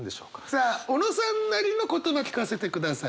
さあ小野さんなりの言葉聞かせてください。